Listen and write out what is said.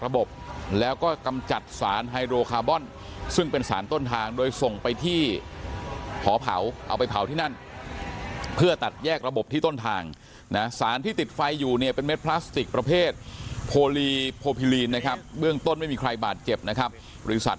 ผอเพราเอาไปเผาที่นั่นเพื่อตัดแยกระบบที่ต้นทางนะสารที่ติดไฟอยู่เนี้ยเป็นเม็ดพลาสติกประเภทโพลีโพลีลีนะครับเบื้องต้นไม่มีใครบาดเจ็บนะครับบริษัท